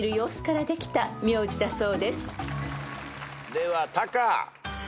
ではタカ。